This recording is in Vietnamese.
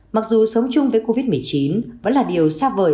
mặc dù sống chung với covid một mươi chín vẫn là điều xa vời